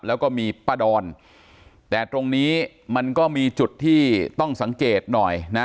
แล้วก็มีป้าดอนแต่ตรงนี้มันก็มีจุดที่ต้องสังเกตหน่อยนะ